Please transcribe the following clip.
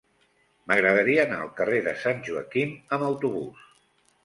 M'agradaria anar al carrer de Sant Joaquim amb autobús.